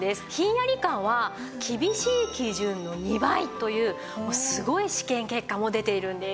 ひんやり感は厳しい基準の２倍というすごい試験結果も出ているんです。